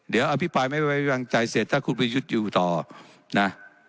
เดี๋ยวอภิปรายไม่ไว้วางใจเสร็จถ้าคุณประยุทธ์อยู่ต่อนะ